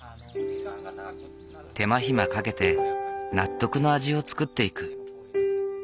手間暇かけて納得の味を作っていく。